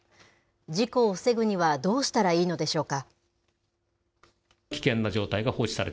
事故を防ぐにはどうしたらいいのでしょうか。